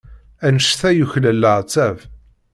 Anect-a yuklal leɛtab.